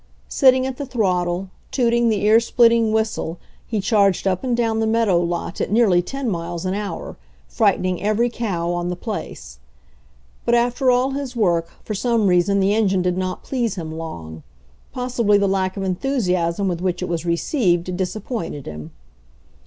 Sitting at the throttle, tooting the ear splitting whistle, he charged up and down the meadow lot at nearly ten miles an hour, frightening every cow on the place. But after all his work, for some reason the engine did not please him long. Possibly the lack of enthusiasm with which it was received disappointed him.